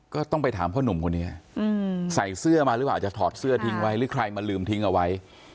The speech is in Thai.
ก็ต้องไปถามพ่อหนุ่มคนนี้ใส่เสื้อมาหรือเปล่าอาจจะถอดเสื้อทิ้งไว้หรือใครมาลืมทิ้งเอาไว้